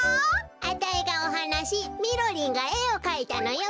あたいがおはなしみろりんがえをかいたのよべ。